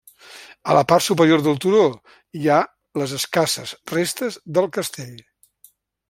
A la part superior del turó hi ha les escasses restes del castell.